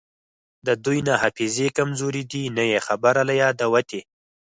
د دوی نه حافظې کمزورې دي نه یی خبره له یاده وتې